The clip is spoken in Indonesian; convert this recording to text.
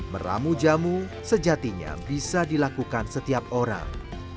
meramu jamu sejatinya bisa dilakukan setiap orang